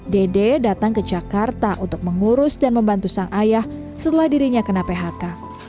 dede datang ke jakarta untuk mengurus dan membantu sang ayah setelah dirinya kena phk